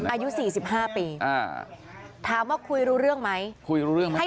อายุ๔๕ปีถามว่าคุยรู้เรื่องไหมคุยรู้เรื่องไหม